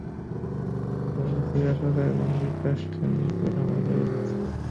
Is দমনে Syria সরকার এবং যুক্তরাষ্ট্রের নেতৃত্বাধীন জোট হামলা চালিয়ে যাচ্ছে।